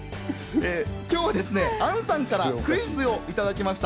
今日は杏さんからクイズをいただきました。